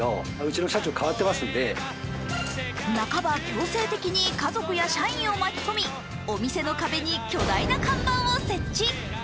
半ば強制的に家族や社員を巻き込みお店の壁に巨大な看板を設置。